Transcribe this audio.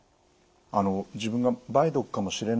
あの自分が梅毒かもしれない。